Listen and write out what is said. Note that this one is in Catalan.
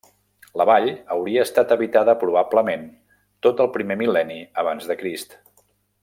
La vall hauria estat habitada probablement tot el primer mil·lenni abans de Crist.